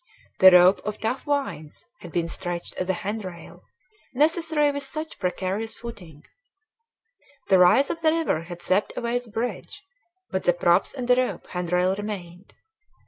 The rope of tough vines had been stretched as a hand rail, necessary with such precarious footing. The rise of the river had swept away the bridge, but the props and the rope hand rail remained.